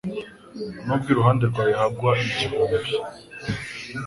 N’ubwo iruhande rwawe hagwa igihumbi